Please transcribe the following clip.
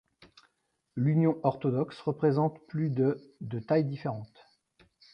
L'Union orthodoxe représente plus de de tailles différentes.